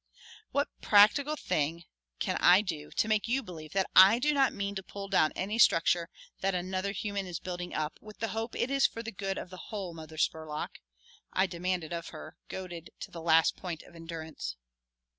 "What practical thing can I do to make you believe that I do not mean to pull down any structure that another human is building up with the hope it is for the good of the whole, Mother Spurlock?" I demanded of her, goaded to the last point of endurance.